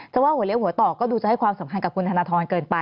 ว่าหัวเลี้ยหัวต่อก็ดูจะให้ความสำคัญกับคุณธนทรเกินไป